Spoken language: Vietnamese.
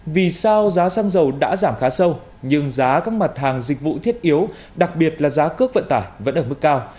vì sao giá xăng dầu đã giảm khá sâu nhưng giá các mặt hàng dịch vụ thiết yếu đặc biệt là giá cước vận tải vẫn ở mức cao